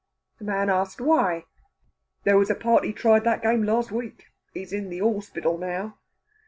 The man asked why? "There was a party tried that game last week. He's in the horspital now."